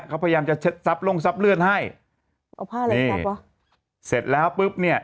เขาพยายามจะเช็ดซับลงซับเลื่อนให้เอาผ้าอะไรซับวะเสร็จแล้วปุ๊บเนี่ย